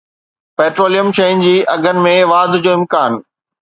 petroleum شين جي اگهن ۾ واڌ جو امڪان